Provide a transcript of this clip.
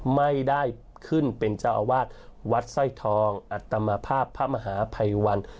ไม่ได้ขึ้นเป็นเจ้าอาวาสวัดสร้อยทองอัตมาภาพพระมหาภัยวัน